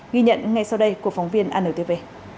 ghi nhận ngay sau đây của phóng viên anntv